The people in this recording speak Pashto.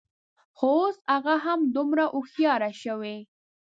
خو، اوس هغه هم همدومره هوښیاره شوې